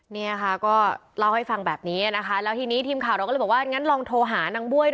นี่ค่าก็เล่าให้ฟังแบบนี้นะค่ะแล้วทีนี้ทีมขาวตกลบมาอันนั้นลองโทรหานัง